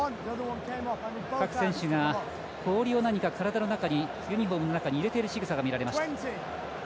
各選手が氷をユニフォームの中に入れているしぐさが見られました。